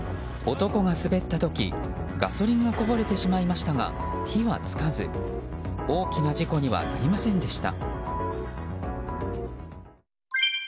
男が滑った時、ガソリンがこぼれてしまいましたが火はつかず、大きな事故にはなりませんでした。